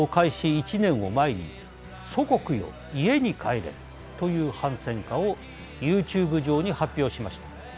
１年を前に「祖国よ、家に帰れ」という反戦歌をユーチューブ上に発表しました。